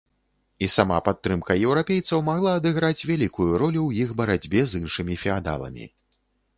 І сама падтрымка еўрапейцаў магла адыграць вялікую ролю ў іх барацьбе з іншымі феадаламі.